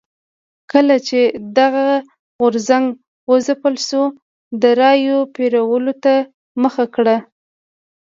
کله چې دغه غورځنګ وځپل شو د رایو پېرلو ته مخه کړه.